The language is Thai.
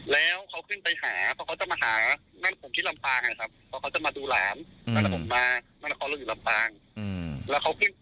แล้วเขาขึ้นไปหาเพราะเขาจะมาหานั่นผมคิดลำปางไงครับเพราะเขาจะมาดูร้านนั่นผมมานั่นเขาอยู่ลำปาง